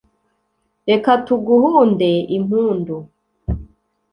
reka tuguhunde impundu